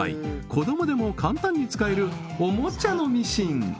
子どもでも簡単に使えるおもちゃのミシン